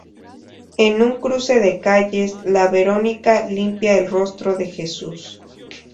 En un cruce de calles, la Verónica limpia el rostro de Jesús.